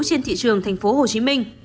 trên thị trường thành phố hồ chí minh